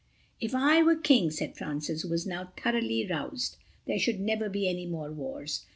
"If I were King," said Francis, who was now thoroughly roused, "there should never be any more wars.